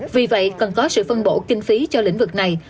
vì vậy cần có sự phân bổ kinh phí cho lĩnh vực này